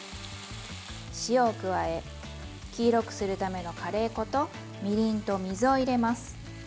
塩を加え黄色くするためのカレー粉とみりんと水を入れます。